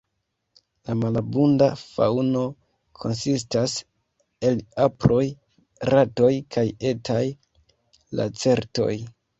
La malabunda faŭno konsistas el aproj, ratoj kaj etaj lacertoj.